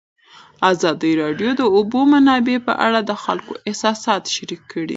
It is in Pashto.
ازادي راډیو د د اوبو منابع په اړه د خلکو احساسات شریک کړي.